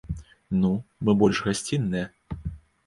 Ну, мы больш гасцінныя.